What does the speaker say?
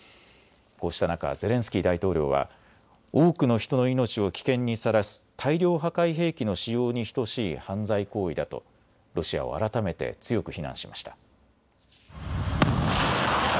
こうした中、ゼレンスキー大統領は多くの人の命を危険にさらす大量破壊兵器の使用に等しい犯罪行為だとロシアを改めて強く非難しました。